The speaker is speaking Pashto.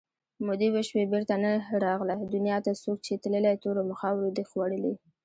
مودې وشوې بېرته نه راغله دنیا ته څوک چې تللي تورو مخاورو دي خوړلي